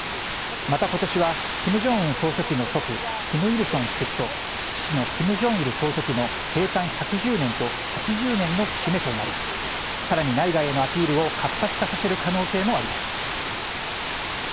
またことしは、キム・ジョンウン総書記の祖父、キム・イルソン主席と、父のキム・ジョンイル総書記の生誕１１０年と８０年の節目となり、さらに内外へのアピールを活発化させる可能性もあります。